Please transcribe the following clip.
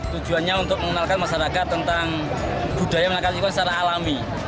tujuannya untuk mengenalkan masyarakat tentang budaya menangkap ikan secara alami